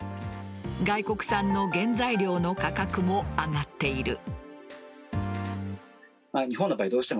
外国産の原材料の価格も上がっている。